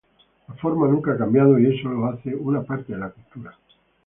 La forma nunca ha cambiado y eso lo hace una parte de la cultura.